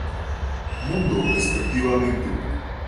Mundo respectivamente.